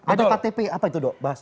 ada ktp apa itu dok bahas